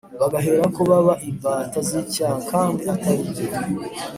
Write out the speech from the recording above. bagaherako baba imbata zicyaha kandi ataribyo